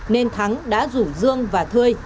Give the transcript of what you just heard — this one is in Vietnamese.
nên thắng đã rủ dương và thươi